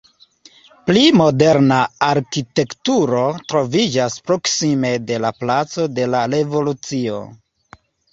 Pli moderna arkitekturo troviĝas proksime de la Placo de la Revolucio.